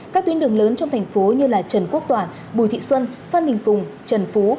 các tuyến đường lớn trong thành phố như trần quốc toàn bùi thị xuân phan đình phùng trần phú